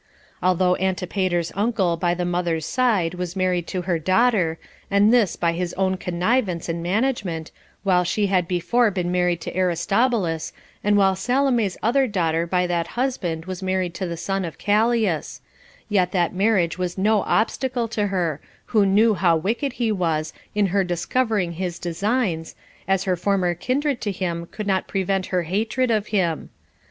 Although Antipeter's uncle by the mother's side was married to her daughter, and this by his own connivance and management, while she had before been married to Aristobulus, and while Salome's other daughter by that husband was married to the son of Calleas; yet that marriage was no obstacle to her, who knew how wicked he was, in her discovering his designs, as her former kindred to him could not prevent her hatred of him.